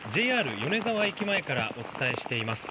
ＪＲ米沢駅前からお伝えしています。